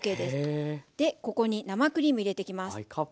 でここに生クリーム入れてきます。